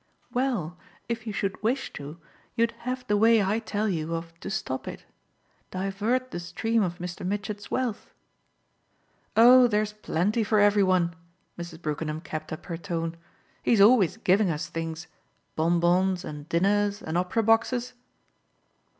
"Well, if you should wish to you'd have the way I tell you of to stop it. Divert the stream of Mr. Mitchett's wealth." "Oh there's plenty for every one!" Mrs. Brookenham kept up her tone. "He's always giving us things bonbons and dinners and opera boxes."